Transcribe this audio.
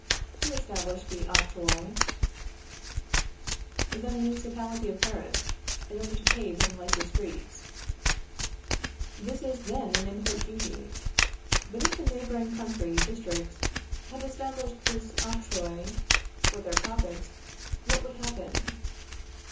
Who established the octroi? The municipality of Paris, in order to pave and light the streets. This is, then, an import duty. But if the neighboring country districts had established this octroi for their profit, what would happen?